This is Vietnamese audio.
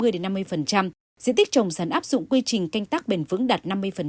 diện tích trồng sắn áp dụng quy trình canh tác bền vững đạt năm mươi